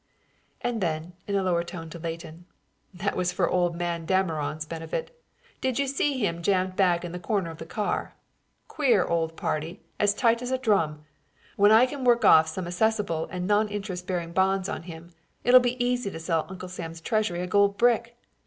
And then in a lower tone to Leighton: "That was for old man Dameron's benefit. Did you see him jammed back in the corner of the car? Queer old party and as tight as a drum. When I can work off some assessable and non interest bearing bonds on him, it'll be easy to sell Uncle Sam's Treasury a gold brick.